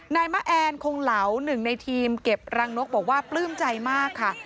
นายมะแอนคงเหลาหนึ่งในทีมเก็บรังนกบอกว่าปลื้มใจมากค่ะ